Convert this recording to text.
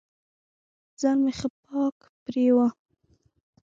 ځان مې ښه پاک پرېوه.